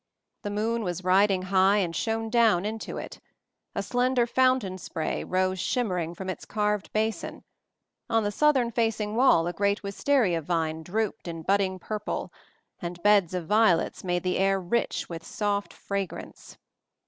The moon was riding high and shone down into it; a slender fountain spray rose shimmering from its carved basin; on the southern fac ing wall a great wistaria vine drooped in budding purple, and beds of violets made the air rich with soft fragrance.